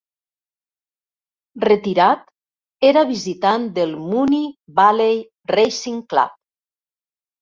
Retirat, era visitant del Moonee Valley Racing Club.